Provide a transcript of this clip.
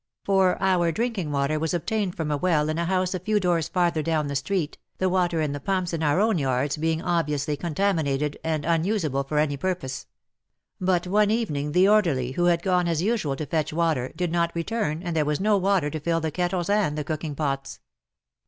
For our drinking water was 138 WAR AND WOMEN obtained from a well in a house a few doors farther down the street, the water in the pumps in our own yards being obviously contaminated and unuseable for any purpose. But one even ing the orderly, who had gone as usual to fetch water, did not return and there was no water to fill the kettles and the cooking pots.